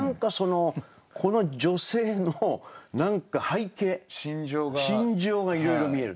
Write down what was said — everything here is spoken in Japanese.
この女性の何か背景心情がいろいろ見える。